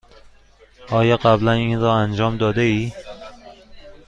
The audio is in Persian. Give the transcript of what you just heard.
آیا قبلا این را انجام داده ای؟